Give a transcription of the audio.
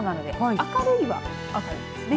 明るいは明るいですね。